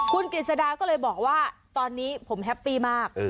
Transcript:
คุณกฤษดาก็เลยบอกว่าตอนนี้ผมแฮปปี้มาก